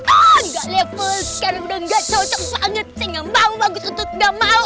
engga level sekarang udah ga cocok banget sehingga mbakmu bagus untuk udah mau